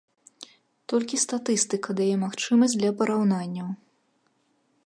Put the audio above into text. Толькі статыстыка дае магчымасць для параўнанняў.